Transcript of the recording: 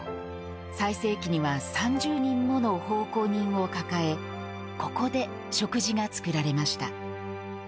最盛期には３０人もの奉公人を抱えここで食事が作られました。